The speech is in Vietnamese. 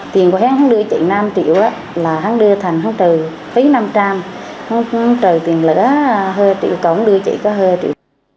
tiền của hắn đưa chị năm triệu là hắn đưa thành hắn trừ phí năm trăm linh hắn trừ tiền lỡ hơi triệu cộng đưa chị có hơi triệu